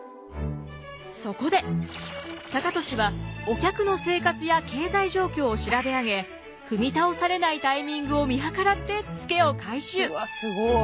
そこで高利はお客の生活や経済状況を調べ上げ踏み倒されないタイミングを見計らってツケを回収！